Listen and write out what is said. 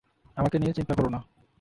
আমাকে নিয়ে চিন্তা করো না।